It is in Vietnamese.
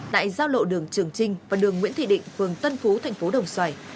đại giao lộ đường trường trinh và đường nguyễn thị định phường tân phú thành phố đông xoài